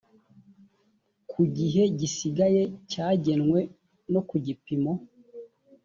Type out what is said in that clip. ku gihe gisigaye cyagenwe no ku gipimo